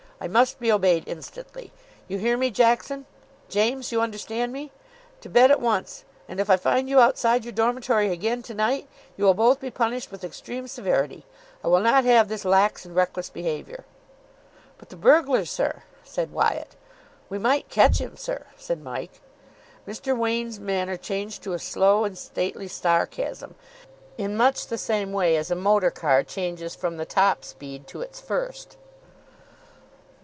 I must be obeyed instantly. You hear me, Jackson? James, you understand me? To bed at once. And, if I find you outside your dormitory again to night, you will both be punished with extreme severity. I will not have this lax and reckless behaviour." "But the burglar, sir?" said Wyatt. "We might catch him, sir," said Mike. Mr. Wain's manner changed to a slow and stately sarcasm, in much the same way as a motor car changes from the top speed to its first.